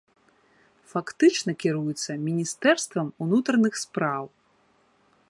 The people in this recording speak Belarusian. Фактычна кіруецца міністэрствам унутраных спраў.